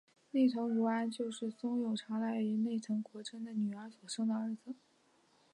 内藤如安就是松永长赖与内藤国贞的女儿所生的儿子。